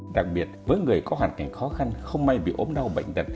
đặc biệt với người có hoàn cảnh khó khăn không may bị ốm đau bệnh tật